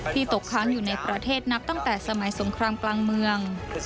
ตกค้างอยู่ในประเทศนับตั้งแต่สมัยสงครามกลางเมือง